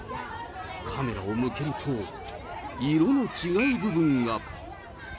カメラを向けると、色の違う部分が。